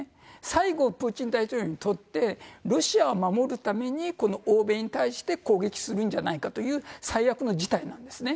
最後、プーチン大統領にとって、ロシアを守るためにこの欧米に対して攻撃するんじゃないかという最悪の事態なんですね。